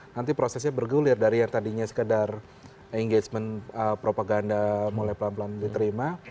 nanti prosesnya bergulir dari yang tadinya sekedar engagement propaganda mulai pelan pelan diterima